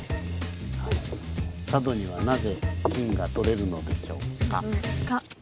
「佐渡にはなぜ金がとれるのでしょうか」。